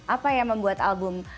apa yang membuat album